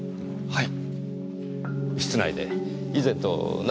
はい。